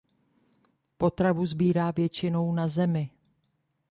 Potravu sbírá většinou na zemi.